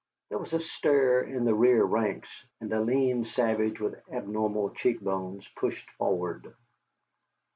There was a stir in the rear ranks, and a lean savage with abnormal cheek bones pushed forward.